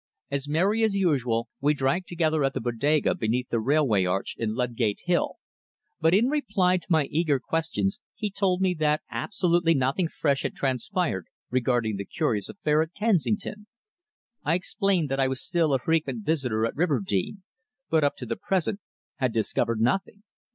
As merry as usual, we drank together at the Bodega beneath the railway arch in Ludgate Hill, but in reply to my eager questions he told me that absolutely nothing fresh had transpired regarding the curious affair at Kensington. I explained that I was still a frequent visitor at Riverdene, but up to the present had discovered nothing.